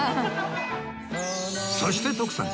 そして徳さん